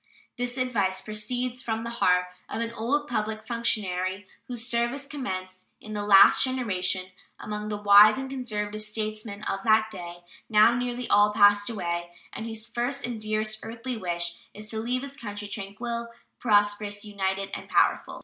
This advice proceeds from the heart of an old public functionary whose service commenced in the last generation, among the wise and conservative statesmen of that day, now nearly all passed away, and whose first and dearest earthly wish is to leave his country tranquil, prosperous, united, and powerful.